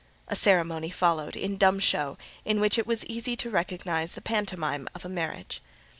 A ceremony followed, in dumb show, in which it was easy to recognise the pantomime of a marriage.